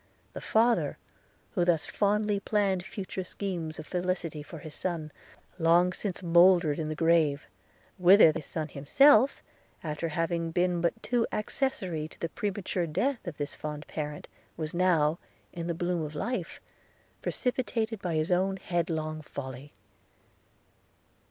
– The father, who thus fondly planned future schemes of felicity for his son, long since mouldered in the grave, whither that son himself, after having been but too accessary to the premature death of this fond parent, was now, in the bloom of life, precipitated by his own headlong folly.